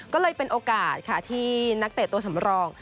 ก็เลยเป็นโอกาสค่ะที่นักเตะตัวสำรอง